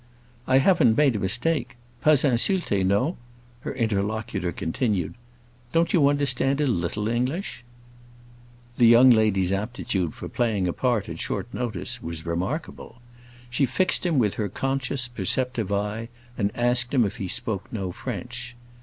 "I haven't made a mistake—pas insulté, no?" her interlocutor continued. "Don't you understand a little English?" The young lady's aptitude for playing a part at short notice was remarkable. She fixed him with her conscious, perceptive eye and asked him if he spoke no French.